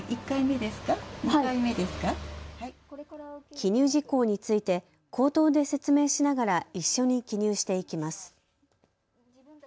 記入事項について口頭で説明しながら一緒に記入していきます。